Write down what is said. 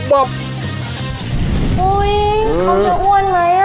เขาจะอ้วนไหม